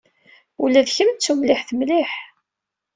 Ula d kemm d tumliḥt mliḥ.